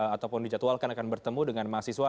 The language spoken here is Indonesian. ataupun dijadwalkan akan bertemu dengan mahasiswa